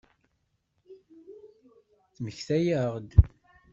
Ttmektayeɣ-d.